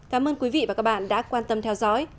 cảm ơn quý vị và các bạn đã quan tâm theo dõi